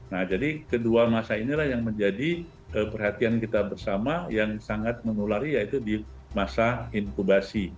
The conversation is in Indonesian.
nah jadi kedua masa inilah yang menjadi perhatian kita bersama yang sangat menulari yaitu di masa inkubasi